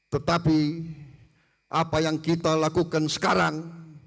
tetapi apa yang kita lakukan sekarang